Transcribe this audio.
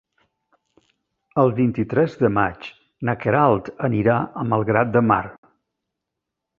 El vint-i-tres de maig na Queralt anirà a Malgrat de Mar.